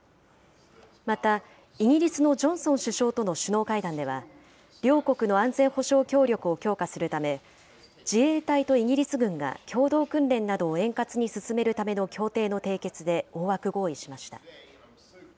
また、イギリスのジョンソン首相との首脳会談では、両国の安全保障協力を強化するため、自衛隊とイギリス軍が共同訓練などを円滑に進めるための協定の締結で、大枠合意しました。